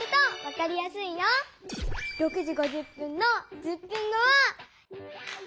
６時５０分の１０分後は。